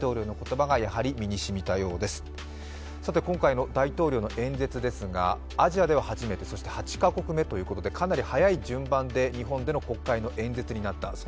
今回の大統領の演説ですがアジアでは初めてそして８カ国目ということでかなり早い順番で日本での国会の演説となった。